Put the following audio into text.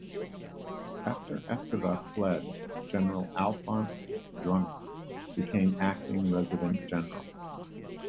After Esteva fled, General Alphonse Juin became acting Resident General.